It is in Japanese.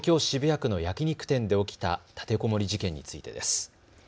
渋谷区の焼き肉店で起きた立てこもり事件についてです。